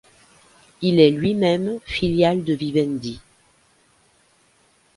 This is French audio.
Il est lui-même filiale de Vivendi.